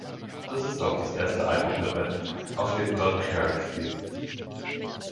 Das ist auch das erste Album der Band, auf dem Don Kerr spielt.